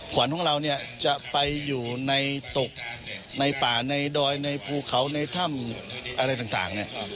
ขวัญของเราเนี่ยจะไปอยู่ในตกในป่าในดอยในภูเขาในถ้ำอะไรต่างเนี่ย